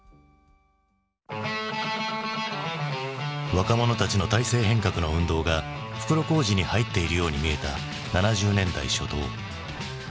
若者たちの体制変革の運動が袋小路に入っているように見えた７０年代初頭。